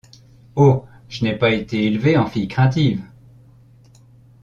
Oh! je n’ai pas été élevée en fille craintive.